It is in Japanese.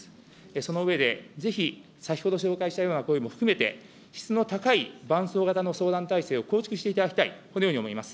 その上で、ぜひ先ほど紹介したような声も含めて、質の高い伴走型の相談体制を構築していただきたい、このように思います。